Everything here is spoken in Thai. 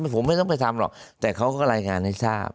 ผมไม่ต้องไปทำหรอกแต่เขาก็รายงานให้ทราบ